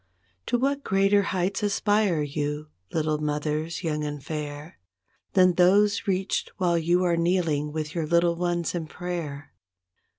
To what greater heights aspire you, little mothers young and fair, Than those reached while you are kneeling with your little ones in prayer.